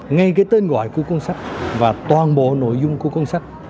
ngay cái tên gọi của cuốn sách và toàn bộ nội dung của cuốn sách